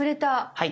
はい。